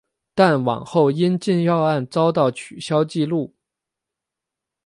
但往后因禁药案遭到取消记录。